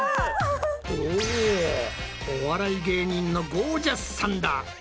おお笑い芸人のゴー☆ジャスさんだ！